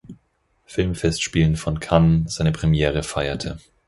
Filmfestspielen von Cannes seine Premiere feierte.